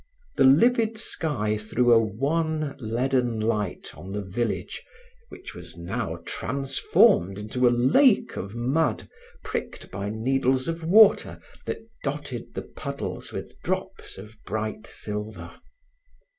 The livid sky threw a wan leaden light on the village which was now transformed into a lake of mud pricked by needles of water that dotted the puddles with drops of bright silver.